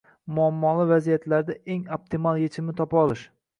muammoli vaziyatlarda eng optimal yechimni topa olish